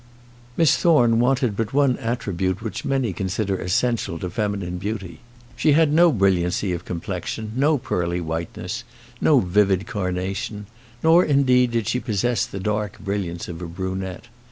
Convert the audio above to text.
Miss Thorne wanted but one attribute which many consider essential to feminine beauty. She had no brilliancy of complexion, no pearly whiteness, no vivid carnation; nor, indeed, did she possess the dark brilliance of a brunette.